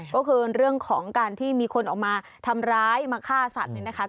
ก็คือเรื่องของการที่มีคนออกมาทำร้ายมาฆ่าสัตว์เนี่ยนะคะ